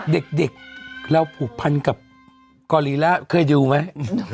เด็กเราผูกพันกับกอลีล่าเคยดูไหม